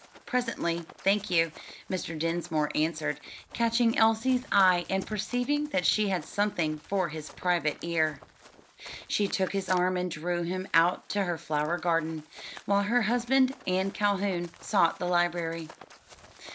"Presently, thank you," Mr. Dinsmore answered, catching Elsie's eye, and perceiving that she had something for his private ear. She took his arm and drew him out to her flower garden, while her husband and Calhoun sought the library.